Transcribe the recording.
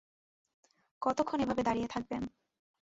কতক্ষণ এভাবে দাঁড়িয়ে থাকবেন?